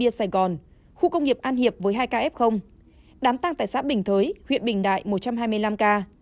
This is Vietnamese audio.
tại đài loan khu công nghiệp an hiệp với hai ca f đám tăng tại xã bình thới huyện bình đại một trăm hai mươi năm ca